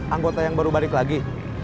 anggota yang baru balik lagi